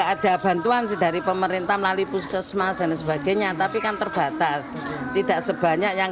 ada bantuan dari pemerintah melalui puskesmas dan sebagainya tapi kan terbatas tidak sebanyak yang